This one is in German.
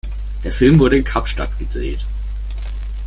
Der Film wurde in Kapstadt gedreht.